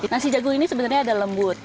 nasi jagung ini sebenarnya ada lembut